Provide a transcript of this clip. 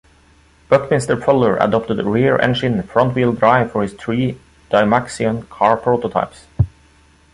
Buckminster Fuller adopted rear-engine, front wheel drive for his three Dymaxion Car prototypes.